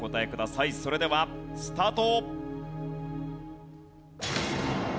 それではスタート。